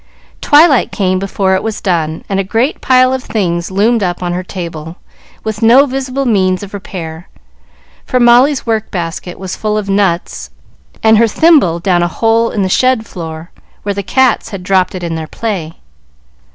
Twilight came before it was done, and a great pile of things loomed up on her table, with no visible means of repair, for Molly's work basket was full of nuts, and her thimble down a hole in the shed floor, where the cats had dropped it in their play.